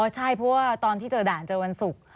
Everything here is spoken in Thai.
ใช่เพราะว่าตอนที่เจอด่านเจอวันศุกร์